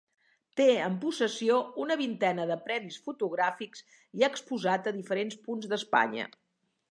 Té en possessió una vintena de premis fotogràfics i ha exposat a diferents punts d'Espanya.